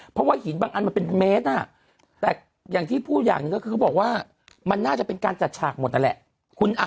เพราะว่าหินบางอันมันเป็นเมตรแต่อย่างที่พูดอย่างหนึ่งก็คือเขาบอกว่ามันน่าจะเป็นการจัดฉากหมดนั่นแหละ